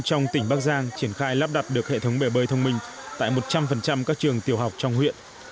trong tỉnh bắc giang triển khai lắp đặt được hệ thống bể bơi thông minh tại một trăm linh các trường tiểu học trong huyện